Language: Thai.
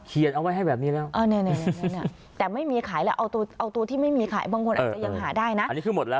บางคนอาจจะยังหาได้นะอันนี้คือหมดแล้วใช่ไหม